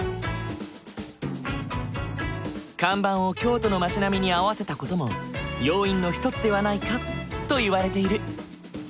看板を京都の町並みに合わせた事も要因の一つではないかといわれている。